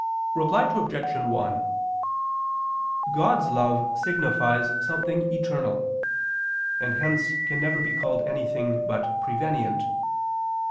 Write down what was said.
Reply Obj. 1: God's love signifies something eternal; and hence can never be called anything but prevenient.